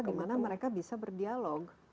di mana mereka bisa berdialog